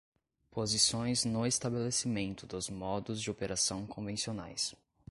Posições no estabelecimento dos modos de operação convencionais.